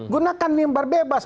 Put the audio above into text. gunakan imbar bebas